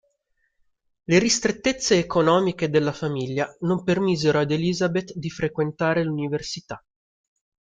Le ristrettezze economiche della famiglia non permisero ad Elisabeth di frequentare l'università.